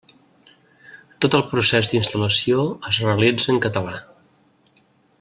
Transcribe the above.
Tot el procés d'instal·lació es realitza en català.